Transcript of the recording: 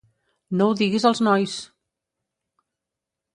No ho diguis als nois!